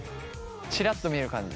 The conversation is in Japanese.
ちらっと見える感じ。